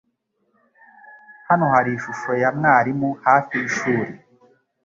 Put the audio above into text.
Hano hari ishusho ya mwarimu hafi yishuri.